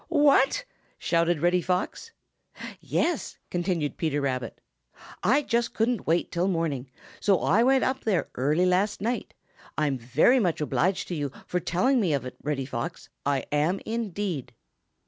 "What!" shouted Reddy Fox. "Yes," continued Peter Rabbit, "I just couldn't wait till morning, so I went up there early last night. I'm much obliged to you for telling me of it, Reddy Fox; I am indeed."